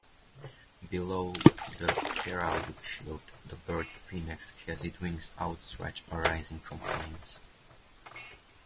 Below the heraldic shield, the bird phoenix has it wings outstretched arising from flames.